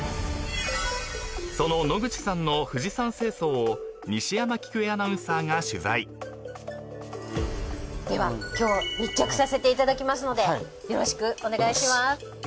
［その野口さんの富士山清掃を西山喜久恵アナウンサーが取材］では今日密着させていただきますのでよろしくお願いします。